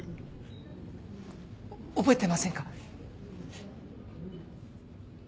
覚えてませんか？